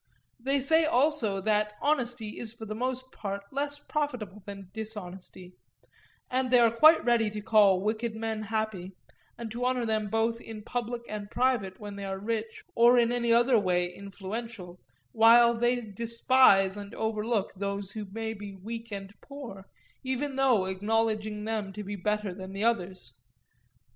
They say also that honesty is for the most part less profitable than dishonesty; and they are quite ready to call wicked men happy, and to honour them both in public and private when they are rich or in any other way influential, while they despise and overlook those who may be weak and poor, even though acknowledging them to be better than the others.